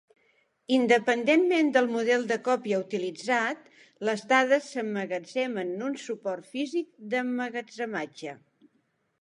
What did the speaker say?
Independentment del model de còpia utilitzat, les dades s’emmagatzemen en un suport físic d’emmagatzematge.